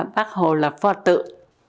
bác hồ là pho tượng